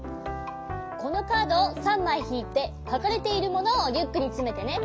このカードを３まいひいてかかれているものをリュックにつめてね。